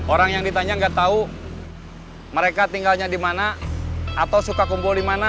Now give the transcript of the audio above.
orang yang ditanya nggak tahu mereka tinggalnya di mana atau suka kumpul di mana